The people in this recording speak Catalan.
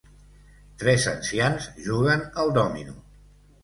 Tres ancians juguen al dòmino.